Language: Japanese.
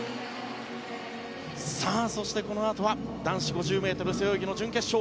そしてこのあとは男子５０ｍ背泳ぎの準決勝。